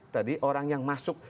tadi orang yang masuk